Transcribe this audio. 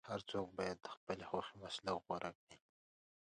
هر څوک باید د خپلې خوښې مسلک غوره کړي.